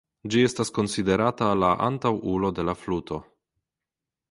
Ĝi estas konsiderata la antaŭulo de la fluto.